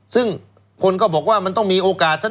ซึ่งคนก็บอกว่ามันต้องมีโอกาสสัก